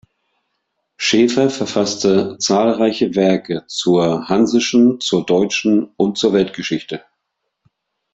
Schäfer verfasste zahlreiche Werke zur hansischen, zur deutschen und zur Weltgeschichte.